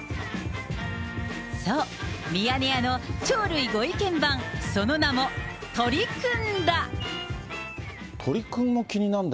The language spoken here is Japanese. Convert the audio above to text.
そう、ミヤネ屋の鳥類ご意見番、その名も、鳥くんだ。